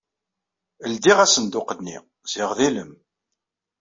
Ldiɣ asenduq-nni. Ziɣ d ilem.